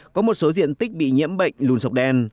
có một số diện tích bị nhiễm bệnh lùn sọc đen